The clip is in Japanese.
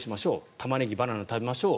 タマネギ、バナナ食べましょう。